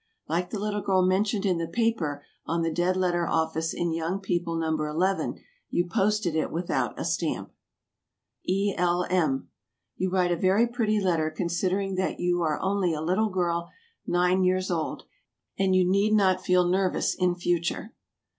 Like the little girl mentioned in the paper on the Dead letter Office in Young People, No. 11, you posted it without a stamp. E. L. M. You write a very pretty letter considering that you are "only a little girl nine years old," and you need not feel nervous in future.